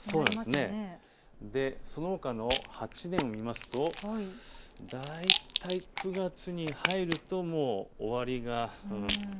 そのほかの８年を見ますと大体９月に入ると終わりが。